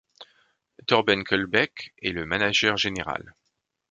Torben Kølbæk est le manager général.